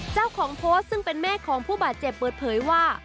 เจ้าของโพสต์ซึ่งเป็นแม่ของผู้บาดเจ็บเปิดเผยว่า